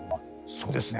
そうですね。